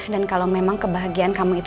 dan kalau memang kebahagiaan kamu itu